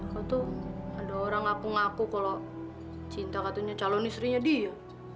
aku tuh ada orang ngaku ngaku kalau cinta katanya calon istrinya dia